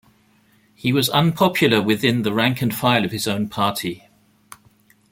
He was unpopular within the rank and file of his own party.